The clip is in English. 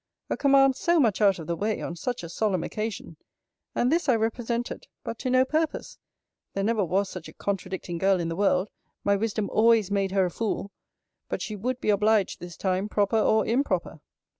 A command so much out of the way, on such a solemn occasion! And this I represented: but to no purpose: There never was such a contradicting girl in the world My wisdom always made her a fool! But she would be obliged this time, proper or improper.